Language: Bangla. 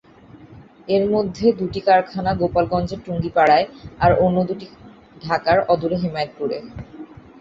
এর মধ্যে দুটি কারখানা গোপালগঞ্জের টুঙ্গিপাড়ায় আর অন্য দুটি ঢাকার অদূরে হেমায়েতপুরে।